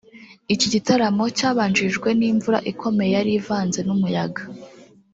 Iki gitaramo cyabanjirijwe n’imvura ikomeye yari ivanze n’umuyaga